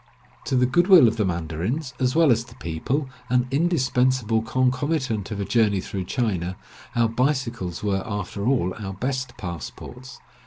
To the good will of the mandarins, as well as the people, an indispensable concomitant of a journey through China, our bicycles were after all our best passports.